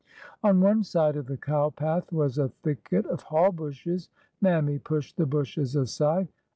On one side of the cow path was a thicket of haw bushes. Mammy pushed the bushes aside.